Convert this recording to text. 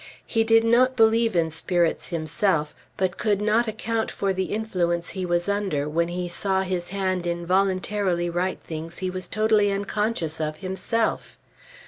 He did not believe in Spirits himself; but could not account for the influence he was under, when he saw his hand involuntarily write things he was totally unconscious of, himself.